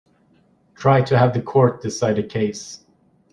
Try to have the court decide the case.